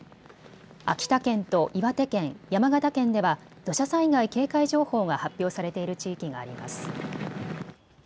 秋田県と岩手県、山形県では土砂災害警戒情報が発表されている地域があります。